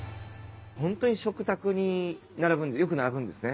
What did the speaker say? ホントに食卓によく並ぶんですね。